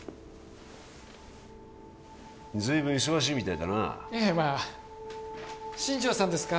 ずいぶん忙しいみたいだなええまあ新庄さんですか？